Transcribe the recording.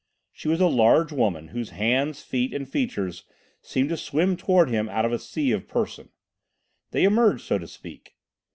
She was a large woman whose hands, feet, and features seemed to swim towards him out of a sea of person. They emerged, so to speak.